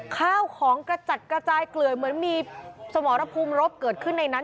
ข้าวของกระจัดกระจายเกลื่อยเหมือนมีสมรภูมิรบเกิดขึ้นในนั้น